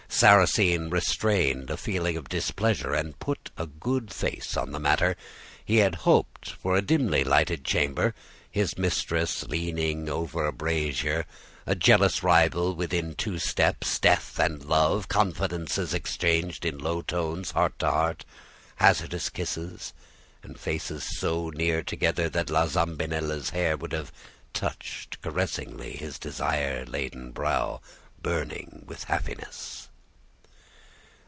Sarrasine restrained a feeling of displeasure and put a good face on the matter. He had hoped for a dimly lighted chamber, his mistress leaning over a brazier, a jealous rival within two steps, death and love, confidences exchanged in low tones, heart to heart, hazardous kisses, and faces so near together that La Zambinella's hair would have touched caressingly his desire laden brow, burning with happiness.